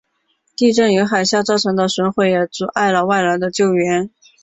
地震与海啸造成的损毁也阻碍了外来的救援。